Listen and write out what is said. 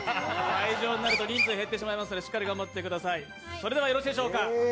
退場になると人数が減ってしまいますからしっかり頑張ってください。